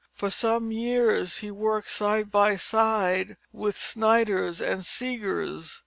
For some years he worked side by side with Snyders and Seghers.